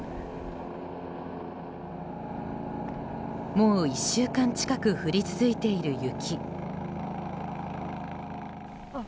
もう１週間近く降り続いている雪。